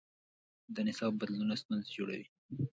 د نصاب بدلونونه ستونزې جوړوي.